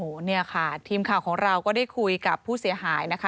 โอ้โหเนี่ยค่ะทีมข่าวของเราก็ได้คุยกับผู้เสียหายนะคะ